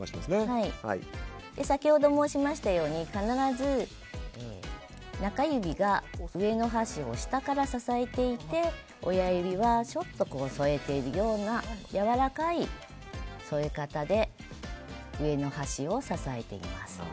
先ほど申しましたように必ず、中指が上の箸を下から支えていて親指はちょっと添えているようなやわらかい添え方で上の箸を支えています。